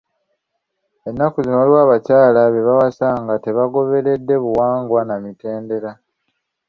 Ennaku zino waliwo abakyala be bawasa nga tebagoberedde buwangwa na mitendera.